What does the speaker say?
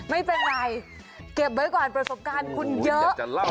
ไม่เป็นไรเก็บไว้ก่อนประสบการณ์คุณเยอะ